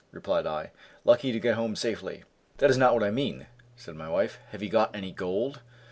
replied I, "lucky to get home safely." "That is not what I mean," said my wife, "have you got any gold?"